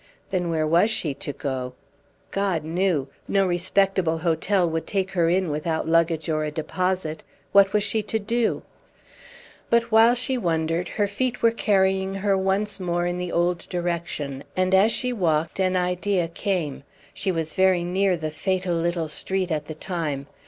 Then where was she to go? God knew! No respectable hotel would take her in without luggage or a deposit. What was she to do? But while she wondered her feet were carrying her once more in the old direction, and as she walked an idea came. She was very near the fatal little street at the time.